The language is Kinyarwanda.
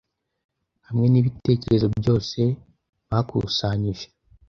hamwe nibitekerezo byose bakusanyije